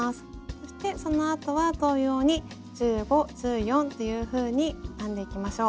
そしてそのあとは同様に１５１４っていうふうに編んでいきましょう。